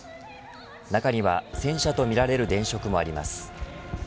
中には戦車とみられる電飾もあります。